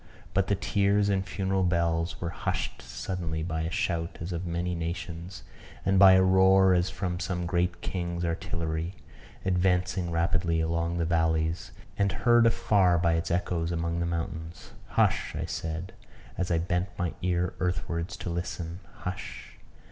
But the tears and funeral bells were hushed suddenly by a shout as of many nations, and by a roar as from some great king's artillery advancing rapidly along the valleys, and heard afar by its echoes among the mountains. "Hush!" I said, as I bent my ear earthwards to listen "hush!